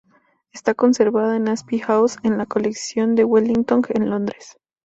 Está conservada en Apsley House, en la colección de Wellington en Londres.